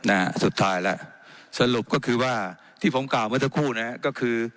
นะฮะสุดท้ายแล้วสรุปก็คือว่าที่ผมกล่าวเมื่อสักครู่นะฮะก็คือ